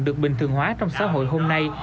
được bình thường hóa trong xã hội hôm nay